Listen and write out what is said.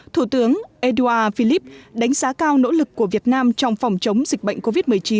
thủ tướng edouard philipp đánh giá cao nỗ lực của việt nam trong phòng chống dịch bệnh covid một mươi chín